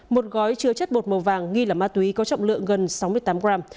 một gói chứa chất bột màu vàng nghi là ma túy có trọng lượng gần sáu mươi tám gram